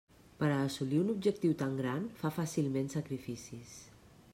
Per a assolir un objectiu tan gran, fa fàcilment sacrificis.